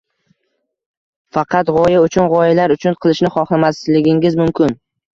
Faqat gʻoya uchun gʻoyalar uchun qilishni xohlamasligingiz mumkin…